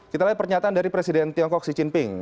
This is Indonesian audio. kita lihat pernyataan dari presiden tiongkok xi jinping